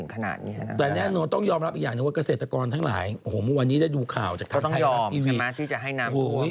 ก็ต้องยอมใช่ไหมที่จะให้น้ำรวมใช่ไหม